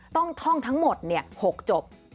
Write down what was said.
ต้องท่องทั้งหมดเนี่ย๖จบ